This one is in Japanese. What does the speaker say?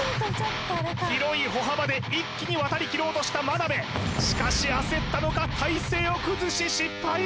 広い歩幅で一気に渡り切ろうとした眞鍋しかし焦ったのか体勢を崩し失敗